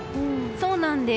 そうなんです。